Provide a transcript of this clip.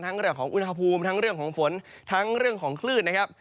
เรื่องของอุณหภูมิทั้งเรื่องของฝนทั้งเรื่องของคลื่นนะครับ